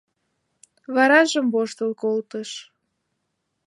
Варажым воштыл колтыш.